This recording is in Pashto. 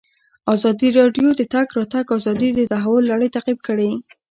ازادي راډیو د د تګ راتګ ازادي د تحول لړۍ تعقیب کړې.